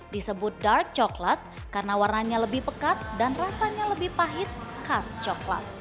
disebut dark coklat karena warnanya lebih pekat dan rasanya lebih pahit khas coklat